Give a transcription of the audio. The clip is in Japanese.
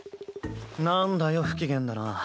なんだよ不機嫌だな。